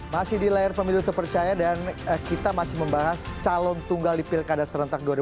masih di layar pemilu terpercaya dan kita masih membahas calon tunggal di pilkada serentak dua ribu delapan belas